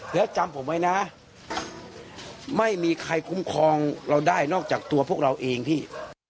แล้วจำผมไว้นะไม่มีใครคุ้มครองเราได้นอกจากตัวพวกเราเองพี่